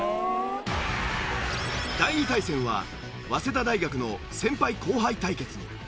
第２対戦は早稲田大学の先輩後輩対決に。